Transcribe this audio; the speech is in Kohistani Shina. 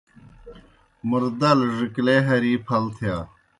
موردال ڙِکلے ہری پھل تِھیا۔